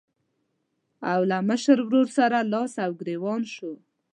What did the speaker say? او له مشر ورور سره لاس او ګرېوان شو.